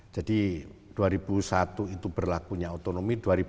jadi dua ribu satu itu berlakunya otonomi